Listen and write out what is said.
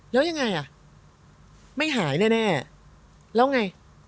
แล้วยังไงอ่ะไม่หายแน่แล้วไง